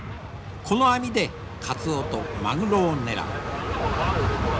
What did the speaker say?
この網でカツオとマグロを狙う。